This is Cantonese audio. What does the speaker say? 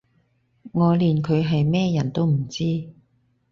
我連佢係咩人都唔知